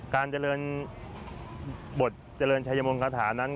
การเจริญบทเจริญชัยมงคลคาถานั้น